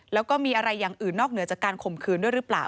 แล้วก็มีอะไรอย่างอื่นนอกเหนือจากการข่มขืนด้วยหรือเปล่า